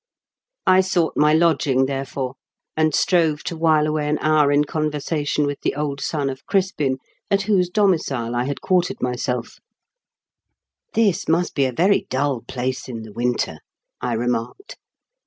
I sought my lodging, therefore, and strove to while away an hour in conversation with the old son of Crispin, at whose domicile I had quartered myself 8MUG0LINQ BEMINI80EN0E8. 269 "This must be a very dull place in the winter," I remarked.